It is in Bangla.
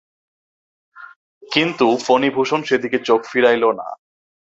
কিন্তু, ফণিভূষণ সেদিকে চোখ ফিরাইল না।